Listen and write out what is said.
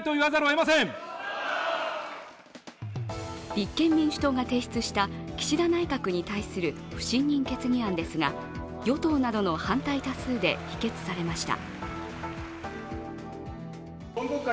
立憲民主党が提出した岸田内閣に対する不信任決議案ですが、与党などの反対多数で否決されました。